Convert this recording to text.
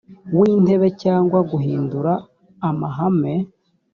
w intebe cyangwa guhindura amahame